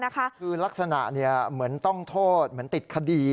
คือลักษณะเหมือนต้องโทษเหมือนติดคดี